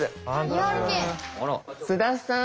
津田さん